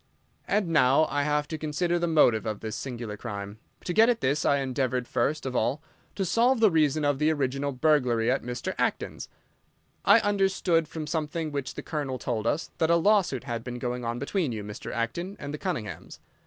"And now I have to consider the motive of this singular crime. To get at this, I endeavoured first of all to solve the reason of the original burglary at Mr. Acton's. I understood, from something which the Colonel told us, that a lawsuit had been going on between you, Mr. Acton, and the Cunninghams.